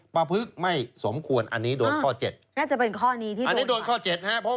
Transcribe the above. ปะภึกไม่สมควรอันนี้โดนข้อเจ็ดงักจะเป็นข้อนี้อันนี้โดนข้อเจ็ด